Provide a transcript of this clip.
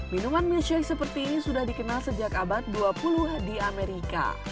minuman michshake seperti ini sudah dikenal sejak abad dua puluh di amerika